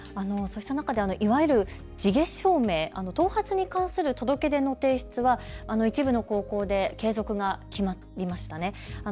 そうした中で、いわゆる地毛証明、頭髪に関する届け出の提出は一部の高校で継続が決まりました。